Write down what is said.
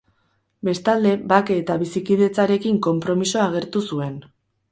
Bestalde, bake eta bizikidetzarekin konpromisoa agertu zuen.